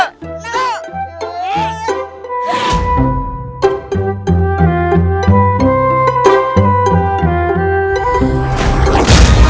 ya ampun saya yang baca